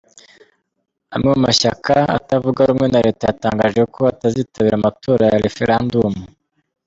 Amwe mu mashyaka atavuga rumwe na Leta yatangaje ko atazitabira amatora ya referendum.